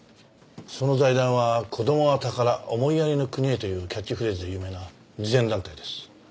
その財団は「子供は宝思いやりの国へ」というキャッチフレーズで有名な慈善団体です。